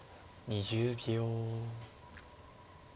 ２０秒。